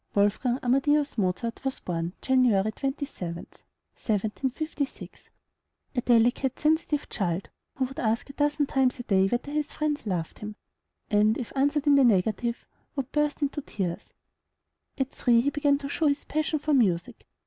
Wolfgang Amadeus Mozart was born Jan. 27, 1756, a delicate, sensitive child, who would ask a dozen times a day whether his friends loved him, and, if answered in the negative, would burst into tears. At three, he began to show his passion for music.